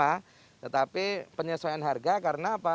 nah tetapi penyesuaian harga karena apa